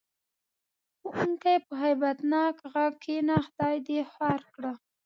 ښوونکي په هیبت ناک غږ: کېنه خدای دې خوار کړه.